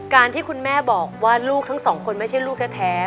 ที่คุณแม่บอกว่าลูกทั้งสองคนไม่ใช่ลูกแท้